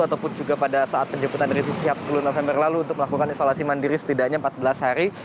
ataupun juga pada saat penjemputan rizik sihab sepuluh november lalu untuk melakukan isolasi mandiri setidaknya empat belas hari